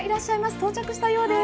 到着したようです。